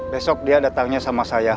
besok dia datangnya sama saya